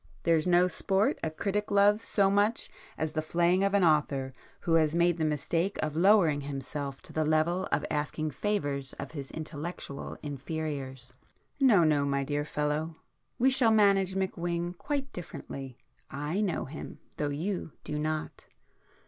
There's no sport a critic loves so much as the flaying of an author who has made the mistake of lowering himself to the level of asking favours of his intellectual inferiors! No, no, my dear fellow!—we shall manage McWhing quite differently,—I know him, though you do not."